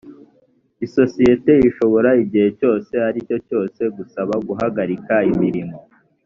isosiyete ishobora igihe icyo ari cyo cyose gusaba guhagarika imirimo